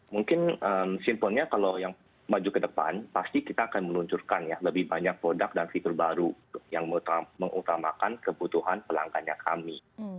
mungkin simpelnya kalau yang maju ke depan pasti kita akan meluncurkan ya lebih banyak produk dan fitur baru yang mengutamakan kebutuhan pelanggannya kami